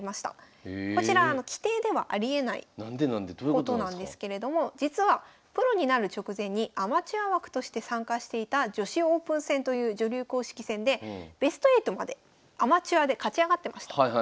ことなんですけれども実はプロになる直前にアマチュア枠として参加していた女子オープン戦という女流公式戦でベスト８までアマチュアで勝ち上がってました。